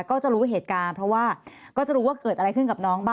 ก็จะรู้เหตุการณ์เพราะว่าก็จะรู้ว่าเกิดอะไรขึ้นกับน้องบ้าง